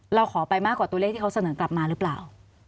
เราขอไปมากกว่าตัวเลขที่เขาเสนอกลับมาหรือเปล่า